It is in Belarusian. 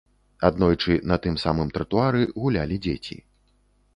Аднойчы на тым самым тратуары гулялі дзеці.